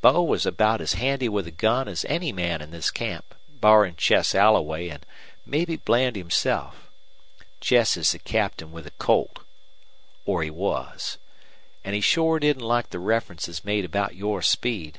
Bo was about as handy with a gun as any man in this camp, barrin' Chess Alloway an' mebbe Bland himself. Chess is the captain with a Colt or he was. An' he shore didn't like the references made about your speed.